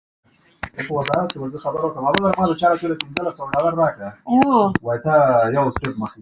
د اصلاحاتو درېیم قانون په تصویب سره دوه برابره شو.